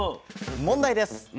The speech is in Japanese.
問題です。